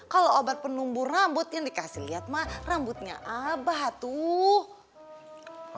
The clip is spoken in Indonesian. kalau obat penumbuh rambut yang dikasih lihat mah rambutnya abah tuh